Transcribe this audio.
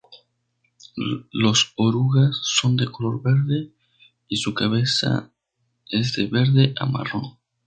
Los orugas son de color verde y su cabeza es de verde a marrón.